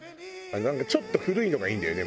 ちょっと古いのがいいんだよね